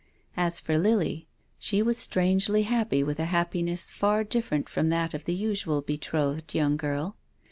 As for Lily, she was strangely happy with a happiness far different from that of the usual be trothed young girl.